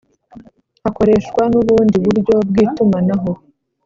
Hakoreshwa n ubundi buryo bw itumanaho